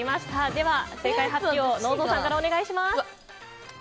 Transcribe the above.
では、正解発表のう蔵さんからお願いします。